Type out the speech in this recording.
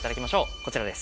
こちらです。